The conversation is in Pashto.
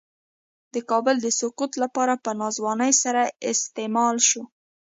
د کابل د سقوط لپاره په ناځوانۍ سره استعمال شو.